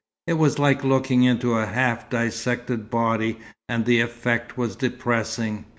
It was like looking into a half dissected body, and the effect was depressing.